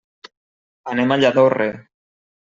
Anem a Lladorre.